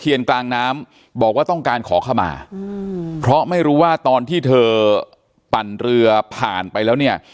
กลางน้ำบอกว่าต้องการขอขมาเพราะไม่รู้ว่าตอนที่เธอปั่นเรือผ่านไปแล้วเนี่ย